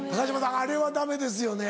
あれはダメですよね？